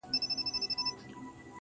بېغمه غمه د هغې راته راوبهيدې